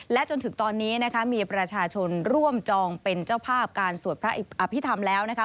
จนถึงตอนนี้นะคะมีประชาชนร่วมจองเป็นเจ้าภาพการสวดพระอภิษฐรรมแล้วนะคะ